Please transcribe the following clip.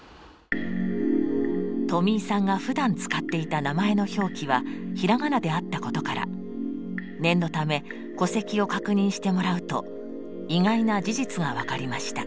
とみいさんがふだん使っていた名前の表記は平仮名であったことから念のため戸籍を確認してもらうと意外な事実が分かりました。